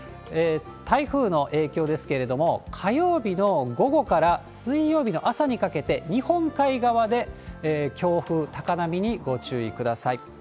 台風の影響ですけれども、火曜日の午後から水曜日の朝にかけて日本海側で強風、高波にご注意ください。